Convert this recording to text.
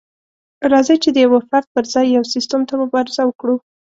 راځئ چې د يوه فرد پر ځای يو سيستم ته مبارزه وکړو.